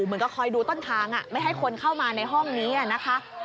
เหมือนกับคอยดูต้นทางไม่ให้คนเข้ามาในห้องนี้นะคะ